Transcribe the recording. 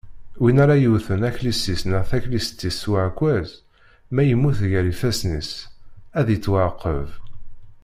Win ara yewwten akli-s neɣ taklit-is s uɛekkaz, ma yemmut gar ifassen-is, ad ittuɛaqeb.